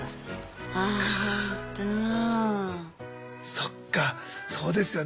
そっかそうですよね。